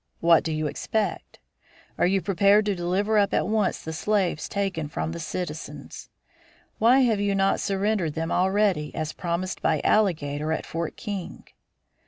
What do you expect? Are you prepared to deliver up at once the slaves taken from the citizens? Why have you not surrendered them already as promised by Alligator at Fort King?